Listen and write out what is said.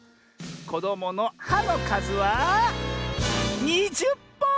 こどもの「は」のかずは２０ぽん！